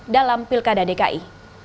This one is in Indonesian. dalam pilkada dki